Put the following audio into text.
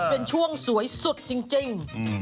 เป็นช่วงสวยสุดจริง